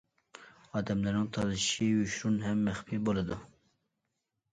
ئادەملەرنىڭ تالىشىشى يوشۇرۇن ھەم مەخپىي بولىدۇ.